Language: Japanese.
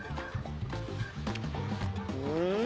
うん！